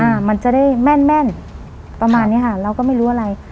มันจะได้แม่นแม่นประมาณเนี้ยค่ะเราก็ไม่รู้อะไร